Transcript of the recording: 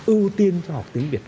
ưu tiên cho học tiếng việt